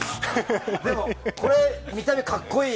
でも、これ見た目が格好いい。